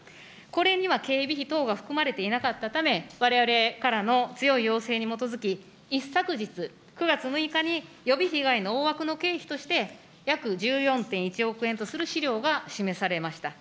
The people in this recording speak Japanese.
これには警備費等が含まれていなかったため、われわれからの強い要請に基づき、一昨日９月６日に、予備費以外の大枠の経費として、約１４．１億円とする資料が示されました。